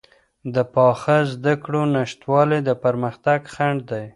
د پاخه زده کړو نشتوالی د پرمختګ خنډ دی.